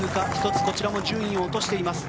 １つこちらも順位を落としています。